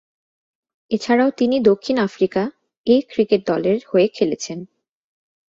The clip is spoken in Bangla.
এছাড়াও তিনি দক্ষিণ আফ্রিকা এ ক্রিকেট দলের হয়ে খেলেছেন।